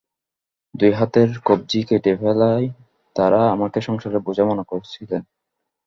দুই হাতের কবজি কেটে ফেলায় তাঁরা আমাকে সংসারের বোঝা মনে করেছিলেন।